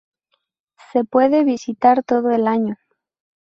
Se puede visitar todo el año.